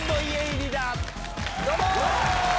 どうも！